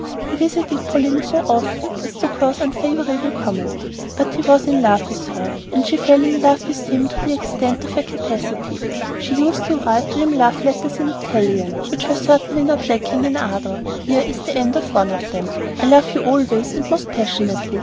He visited Pauline so often as to cause unfavorable comment; but he was in love with her, and she fell in love with him to the extent of her capacity. She used to write him love letters in Italian, which were certainly not lacking in ardor. Here is the end of one of them: I love you always and most passionately.